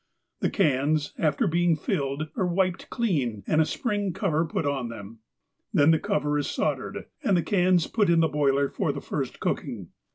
The cans after being filled, are wiped clean, and a spring cover put on them. Then the cover is soldered, and the cans pu in the boiler for the first cooking.